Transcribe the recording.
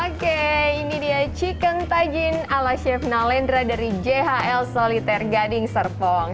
oke ini dia chicken tajin ala chef nalendra dari jhl soliter gading serpong